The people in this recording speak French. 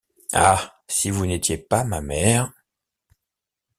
Ah! si vous n’étiez pas ma mère...